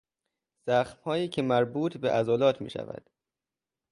زخمهایی که مربوط به عضلات میشود